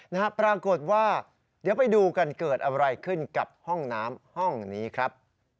นะฮะปรากฏว่าเดี๋ยวไปดูกันเกิดอะไรขึ้นกับห้องน้ำห้องนี้ครับ